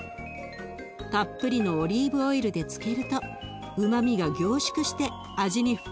たっぷりのオリーブオイルで漬けるとうまみが凝縮して味に深みが増します。